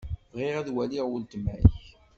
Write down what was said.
Bɣiɣ ad waliɣ weltma-k.